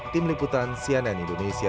tim liputan cnn indonesia